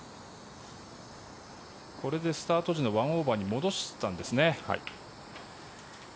これでスタート時の１オーバーに戻したんですね。